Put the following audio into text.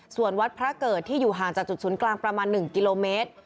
ส่วนวัดพระเกิดที่อยู่ห่างจากจุดศูนย์กลางประมาณ๑กิโลเมตร